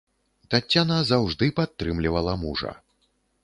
Таццяна заўжды падтрымлівала мужа.